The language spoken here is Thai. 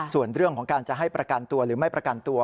ส่วนเรื่องของการจะให้ประกันตัวหรือไม่ประกันตัว